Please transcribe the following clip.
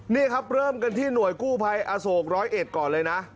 นี่ครับเริ่มกันที่หน่วยกู้ภัยอโศกร้อยเอ็ดก่อนเลยนะ